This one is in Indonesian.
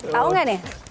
tau gak nih